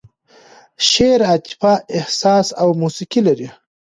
شعر عاطفه، احساس او موسیقي لري.